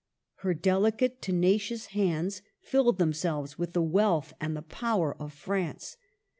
Her delicate, tenacious hands filled themselves with the wealth and the power of France.